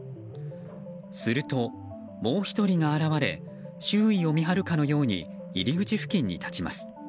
すると、もう１人が現れ周囲を見張るかのように入り口付近に立ちます。